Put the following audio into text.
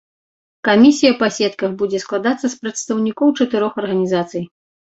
Камісія па сетках будзе складацца з прадстаўнікоў чатырох арганізацый.